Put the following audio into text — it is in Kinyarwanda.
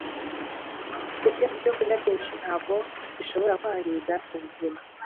kurya ibyo kurya byinshi nabyo bishobora kwangiza ubuzima